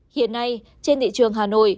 hiện nay trên thị trường hà nội